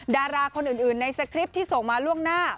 ดาราคนอื่นในสคริปต์ที่ส่งมาล่วงหน้า